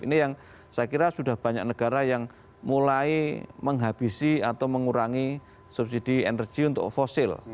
ini yang saya kira sudah banyak negara yang mulai menghabisi atau mengurangi subsidi energi untuk fosil